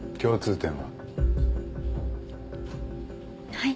はい？